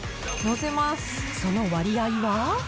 その割合は。